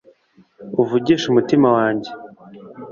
uvugishe umutima wanjye